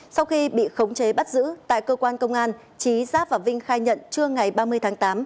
sau khi bị khống chế bắt giữ tại cơ quan công an trí giáp và vinh khai nhận trưa ngày ba mươi tháng tám